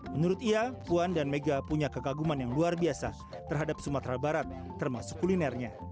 menurut ia puan dan mega punya kekaguman yang luar biasa terhadap sumatera barat termasuk kulinernya